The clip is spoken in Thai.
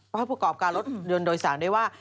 ให้ผู้ปกรรตการรถโดยสารด้วยว่า